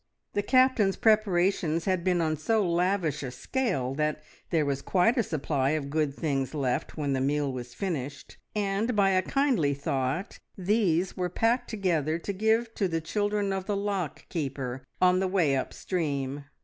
The Captain's preparations had been on so lavish a scale that there was quite a supply of good things left when the meal was finished, and by a kindly thought these were packed together to give to the children of the lock keeper on the way up stream.